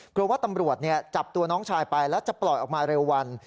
กลัวว่าตำรวจจับตัวน้องชายไปแล้วจะปล่อยออกมาเร็ววัน